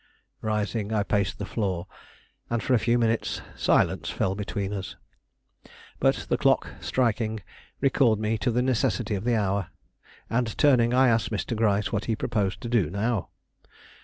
Rising, I paced the floor, and for a few minutes silence fell between us. But the clock, striking, recalled me to the necessity of the hour, and, turning, I asked Mr. Gryce what he proposed to do now.